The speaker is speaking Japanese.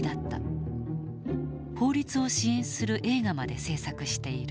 法律を支援する映画まで制作している。